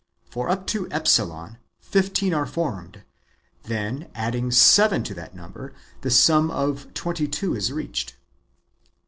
For up to Epsilon (e) fifteen are formed ; then adding seven to that number, the sum of twent3^ two is reached.